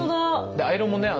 でアイロンもね